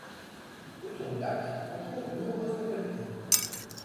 Autour du lac, on trouve de nombreuses localités.